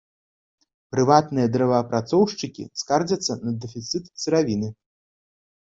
Прыватныя дрэваапрацоўшчыкі скардзяцца на дэфіцыт сыравіны.